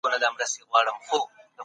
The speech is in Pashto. اقتصادي دیوان سالاري منځ ته راغله.